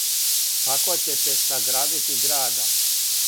"Тако ћете саградити града."